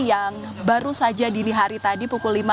yang baru saja dini hari tadi pukul lima